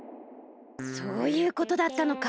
そういうことだったのか。